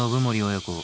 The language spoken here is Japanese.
親子